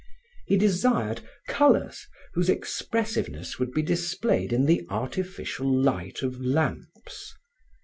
He desired colors whose expressiveness would be displayed in the artificial light of lamps.